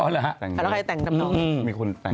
แล้วใครแต่งกำหนด